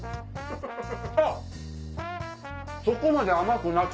あっそこまで甘くなく。